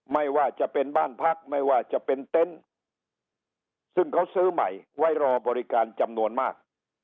ไม่ว่าจะเป็นบ้านพักไม่ว่าจะเป็นเต็นต์ซึ่งเขาซื้อใหม่ไว้รอบริการจำนวนมาก